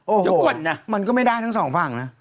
โอ้โหมันก็ไม่ได้ทั้งสองฝั่งนะ